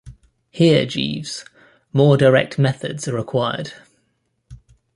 Here, Jeeves, more direct methods are required.